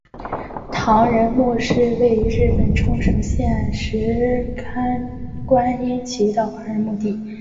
唐人墓是位于日本冲绳县石垣市观音崎的华人墓地。